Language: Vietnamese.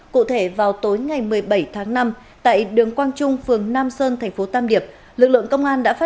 cụ thể vào tối ngày một mươi bảy tháng năm tại đường quang trung phường nam sơn tp tam điệp